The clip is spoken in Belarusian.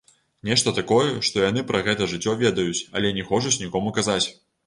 Нешта такое, што яны пра гэтае жыццё ведаюць, але не хочуць нікому казаць.